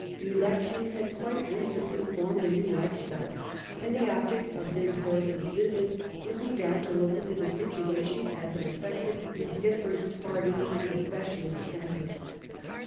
Elections had quite recently form.ed a new Reichstag ; and the object of Windthorst's visit was, no doubt, to look into the situation as it affected the different parties, and especially the Centre.